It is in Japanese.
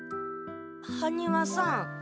羽丹羽さん。